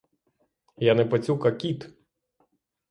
Я не пацюк, а кіт!